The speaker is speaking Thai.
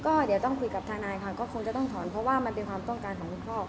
ก็เดี๋ยวต้องคุยกับทนายค่ะก็คงจะต้องถอนเพราะว่ามันเป็นความต้องการของคุณพ่อ